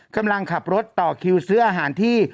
กำลังขับรถต่อคิวซื้ออาหารที่